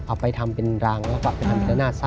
เอาไปทำเป็นรางแล้วก็เอาไปทำเป็นละนาดซะ